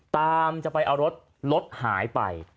ตามจะไปเอารถรถหายไป